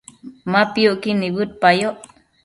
Ma piucquid nibëdeyoc